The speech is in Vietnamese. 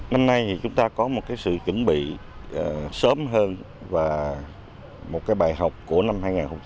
năm nay chúng ta có một sự chuẩn bị sớm hơn và một bài học của năm hai nghìn một mươi năm hai nghìn một mươi sáu